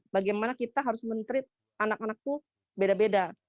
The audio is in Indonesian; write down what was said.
bagaimana kita harus men treat anak anak itu beda beda